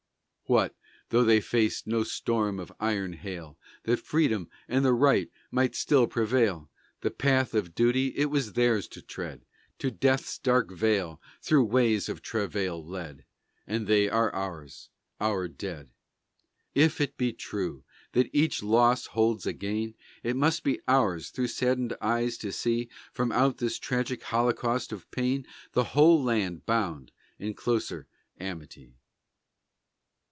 What though they faced no storm of iron hail That freedom and the right might still prevail? The path of duty it was theirs to tread To death's dark vale through ways of travail led, And they are ours our dead! If it be true that each loss holds a gain, It must be ours through saddened eyes to see From out this tragic holocaust of pain The whole land bound in closer amity!